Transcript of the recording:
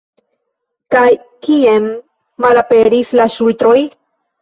Kaj kien malaperis la ŝultroj?